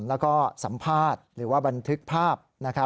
แล้วก็สัมภาษณ์หรือว่าบันทึกภาพ